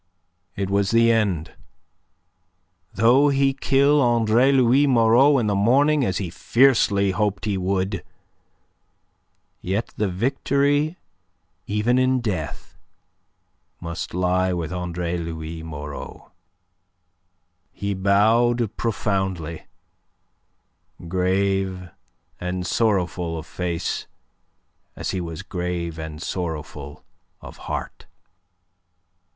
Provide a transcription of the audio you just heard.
It was the end. Though he kill Andre Louis Moreau in the morning as he fiercely hoped he would, yet the victory even in death must lie with Andre Louis Moreau. He bowed profoundly, grave and sorrowful of face as he was grave and sorrowful of heart.